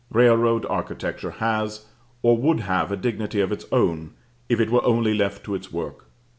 Railroad architecture has or would have a dignity of its own if it were only left to its work.